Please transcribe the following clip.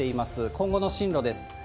今後の進路です。